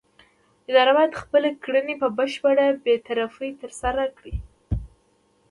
اداره باید خپلې کړنې په بشپړه بې طرفۍ ترسره کړي.